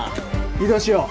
移動しよう。